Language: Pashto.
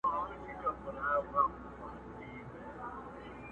اوس د چا ګرېوان به نیسو اوس به چاته اوښکي یوسو!.